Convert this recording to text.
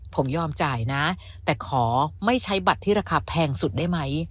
ผมยอมจ่ายนะแต่ขอไม่ใช้บัตรที่ราคาแพงสุดได้ไหม